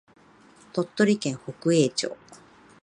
鳥取県北栄町